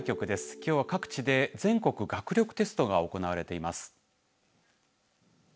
きょうは各地で全国学力テストが行われています。